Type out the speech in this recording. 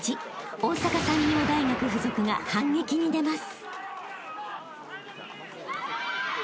大阪産業大学附属が反撃に出ます］